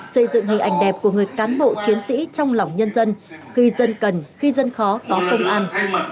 xây dựng hình ảnh đẹp của người cán bộ chiến sĩ trong lòng nhân dân khi dân cần khi dân khó có công ăn